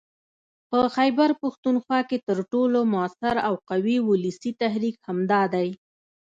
په خيبرپښتونخوا کې تر ټولو موثر او قوي ولسي تحريک همدا دی